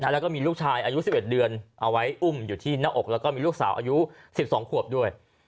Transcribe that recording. แล้วก็มีลูกชายอายุ๑๑เดือนเอาไว้อุ้มอยู่ที่หน้าอกแล้วก็มีลูกสาวอายุ๑๒ขวบด้วย